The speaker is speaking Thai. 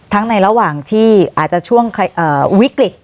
ในระหว่างที่อาจจะช่วงวิกฤต